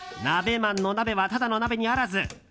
鍋マンの鍋はただの鍋にあらず。